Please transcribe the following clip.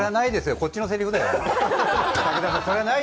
こっちのせりふですよ。